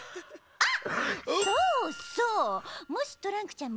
あっ！